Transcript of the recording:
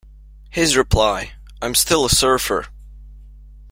His reply: I'm still a surfer.